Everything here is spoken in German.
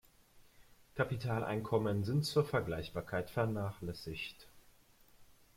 Kapitaleinkommen sind zur Vergleichbarkeit vernachlässigt.